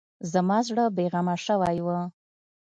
زما زړه بې غمه شوی و.